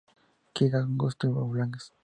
Quilla angosto-oblongas.